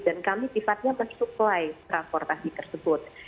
dan kami tifatnya mensupply transportasi tersebut